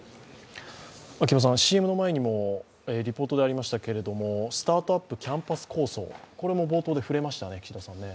ＣＭの前にもリポートでありましたけれども、スタートアップ・キャンパス構想も冒頭で触れましたね、岸田さん。